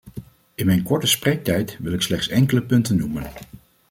In mijn korte spreektijd wil ik slechts enkele punten noemen.